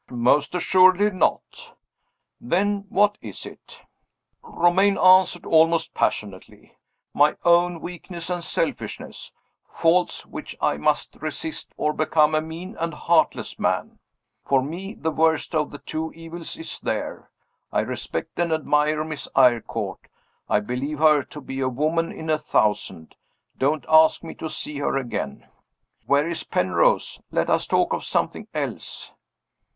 "Most assuredly not." "Then what is it?" Romayne answered, almost passionately: "My own weakness and selfishness! Faults which I must resist, or become a mean and heartless man. For me, the worst of the two evils is there. I respect and admire Miss Eyrecourt I believe her to be a woman in a thousand don't ask me to see her again! Where is Penrose? Let us talk of something else."